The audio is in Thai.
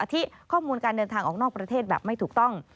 ที่ข้อมูลการเดินทางออกนอกประเทศแบบไม่ถูกต้อง